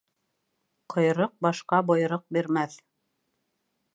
Ҡойроҡ башҡа бойороҡ бирмәҫ.